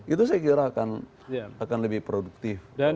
itu saya kira akan lebih produktif